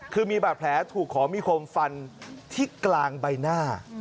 คือมีบาดแผลถูกของมีคมฟันที่กลางใบหน้า